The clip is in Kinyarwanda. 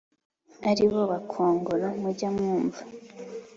ari bo bakongoro mujya mwumva